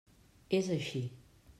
És així.